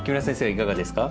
いかがですか？